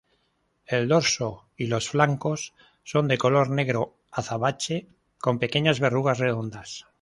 El dorso y los flancos son de color negro azabache, con pequeñas verrugas redondas.